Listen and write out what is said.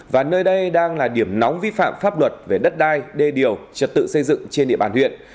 và nơi đây đang là điểm nóng vi phạm pháp luật về đất đai đê điều trật tự xây dựng trên địa bàn huyện